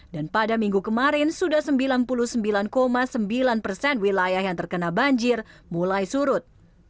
dan pada minggu kemarin sudah sembilan puluh sembilan sembilan persen wilayah yang terkena banjir mulai surut